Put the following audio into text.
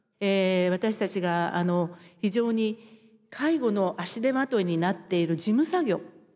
私たちが非常に介護の足手まといになっている事務作業。